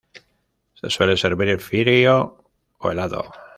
Se suele servir frío o helado.